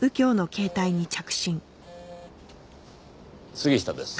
杉下です。